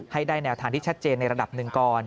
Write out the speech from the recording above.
ให้ได้แนวทางที่ชัดเจนในระดับหนึ่งก่อน